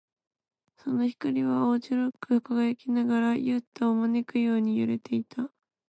その光は青白く輝きながら、ユウタを招くように揺れていた。